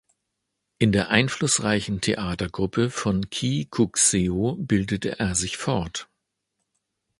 In der einflussreichen Theatertruppe von Kee Kuk-seo bildete er sich fort.